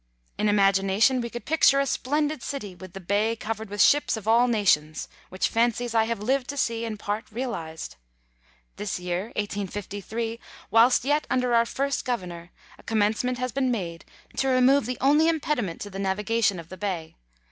In imagination we could picture a splendid city, with the bay covered with ships of all nations, which fancies I have lived to see in part realized. This year, 1853, whilst yet under our first Governor, a commencement has been made to remove the Letters from Victorian Pioneers. 15 only impediment to the navigation of the bay.